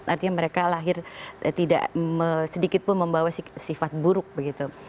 artinya mereka lahir tidak sedikitpun membawa sifat buruk begitu